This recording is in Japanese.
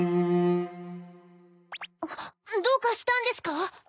どうかしたんですか？